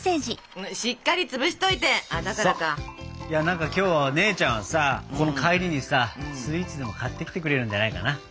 何か今日は姉ちゃんがさこの帰りにさスイーツでも買ってきてくれるんじゃないかな。